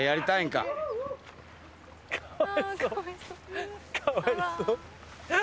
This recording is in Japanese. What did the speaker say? かわいそう。